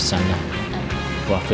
sini biar aku bantu ya